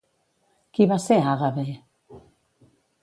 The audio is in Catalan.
Qui va ser Àgave?